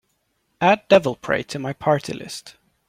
add Devil Pray to my party list